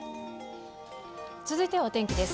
続いてはお天気です。